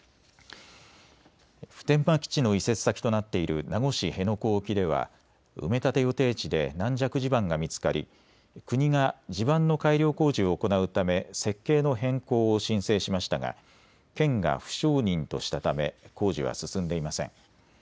普天間基地の移設先となっている名護市辺野古沖では埋め立て予定地で軟弱地盤が見つかり、国が地盤の改良工事を行うため設計の変更を申請しましたが県が不承認としたため工事は進んでいません。